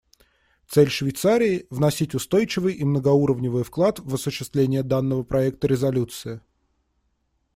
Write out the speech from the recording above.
Цель Швейцарии — вносить устойчивый и многоуровневый вклад в осуществление данного проекта резолюции.